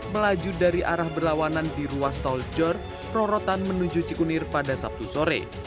melaju dari arah berlawanan di ruas tol jor rorotan menuju cikunir pada sabtu sore